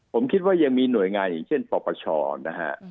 ผมคิดว่ายังมีหน่วยงานอย่างเช่นปปชนะฮะ